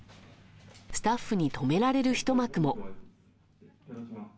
スタッフに止められる一幕も。